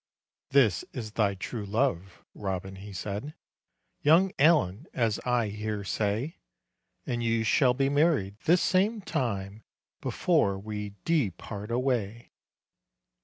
"This is thy true love," Robin he said, "Young Allen, as I hear say; And you shall be married this same time, Before we depart away."